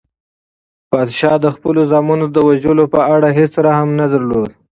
پادشاه د خپلو زامنو د وژلو په اړه هیڅ رحم نه درلود.